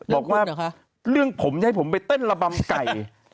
เค้าบอกว่าเรื่องฝนให้ผมไปเต้นระบั้มไก่